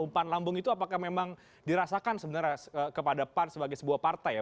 umpan lambung itu apakah memang dirasakan sebenarnya kepada pan sebagai sebuah partai ya